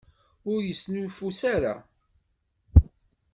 Ur yesnuffus ara!